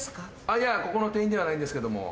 いやここの店員ではないんですけども。